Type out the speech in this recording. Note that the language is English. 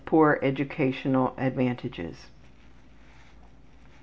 poor educational Sex. advantages.